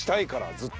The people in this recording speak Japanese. ずっと。